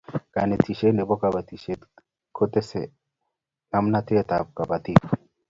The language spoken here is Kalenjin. kanetishiet nebo kabatishiet kotese ngamnatet ab kabatik